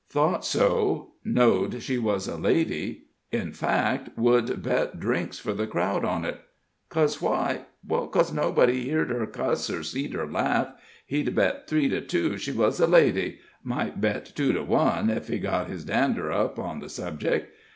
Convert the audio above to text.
Thought so knowed she was a lady in fact, would bet drinks for the crowd on it. 'Cos why? 'Cos nobody heerd her cuss or seed her laugh. H'd bet three to two she was a lady might bet two to one, ef he got his dander up on the subject.